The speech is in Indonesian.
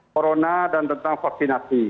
corona dan tentang vaksinasi